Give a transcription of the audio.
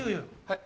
はい？